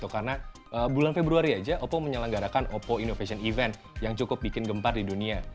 karena bulan februari aja oppo menyalanggarakan oppo innovation event yang cukup bikin gempar di dunia